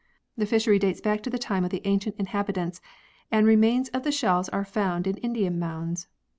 The fishery dates back to the time of the ancient inhabitants and remains of the shells are found in Indian mounds.